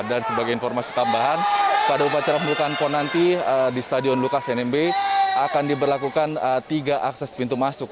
dan sebagai informasi tambahan pada upacara pembukaan pon nanti di stadion lukas nmb akan diberlakukan tiga akses pintu masuk